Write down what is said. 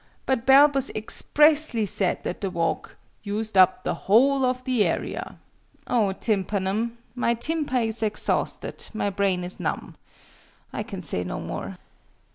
But Balbus expressly said that the walk "used up the whole of the area." Oh, TYMPANUM! My tympa is exhausted: my brain is num! I can say no more.